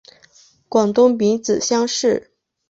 广东丙子乡试。